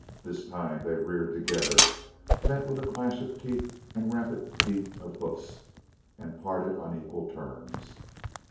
This time they reared together, met with a clash of teeth and rapid beat of hoofs, and parted on equal terms.